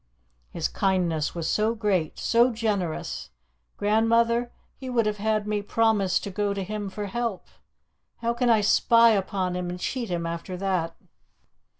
His kindness was so great so generous! Grandmother, he would have had me promise to go to him for help. How can I spy upon him and cheat him after that?"